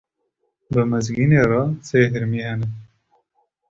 Bi Mizgînê re sê hirmî hene.